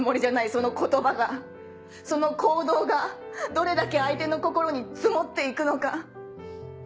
その言葉がその行動がどれだけ相手の心に積もっていくのか。